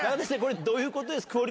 どういうことですか？